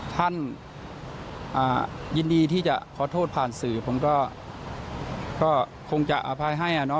ท่านอ่ายินดีที่จะขอโทษผ่านสื่อผมก็ก็คงจะอภัยให้อ่ะเนอะ